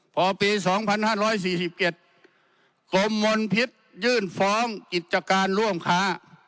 พอปีสองพันห้าร้อยสี่สิบเก็ตกรมมลพิษยื่นฟ้องกิจการร่วมค้า